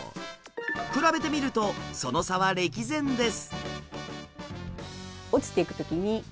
比べてみるとその差は歴然です。